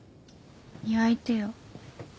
焼いてよ。